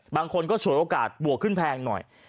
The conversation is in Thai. บางคนก็ฉวยโอกาสบวกขึ้นแพงหน่อย